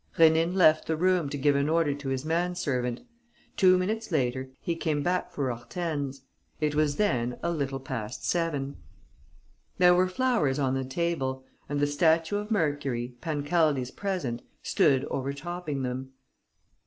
Rénine left the room to give an order to his manservant. Two minutes later, he came back for Hortense. It was then a little past seven. There were flowers on the table; and the statue of Mercury, Pancaldi's present, stood overtopping them.